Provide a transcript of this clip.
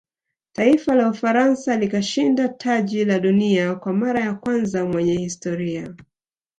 taifa la ufaransa likashinda taji la dunia kwa mara ya kwanza mwenye historia